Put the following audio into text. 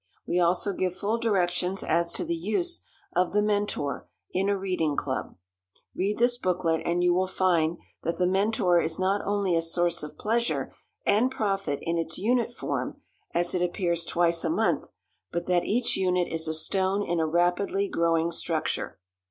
We also give full directions as to the use of The Mentor in a reading club. Read this booklet and you will find that The Mentor is not only a source of pleasure and profit in its unit form as it appears twice a month, but that each unit is a stone in a rapidly growing structure.